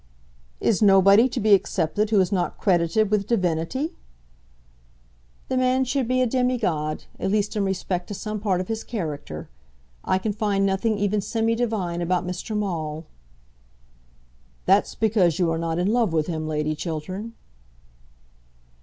"Is nobody to be accepted who is not credited with divinity?" "The man should be a demigod, at least in respect to some part of his character. I can find nothing even demi divine about Mr. Maule." "That's because you are not in love with him, Lady Chiltern."